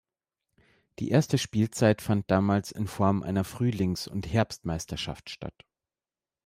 Die erste Spielzeit fand damals in Form einer Frühlings- und einer Herbstmeisterschaft statt.